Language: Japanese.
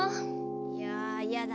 いややだ。